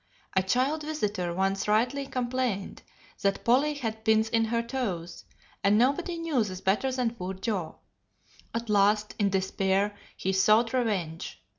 A child visitor once rightly complained that Polly had pins in her toes, and nobody knew this better than poor Joe. At last, in despair, he sought revenge.